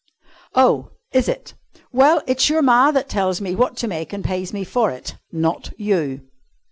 "Oh, is it? Well, it's your ma that tells me what to make and pays me for it, not you."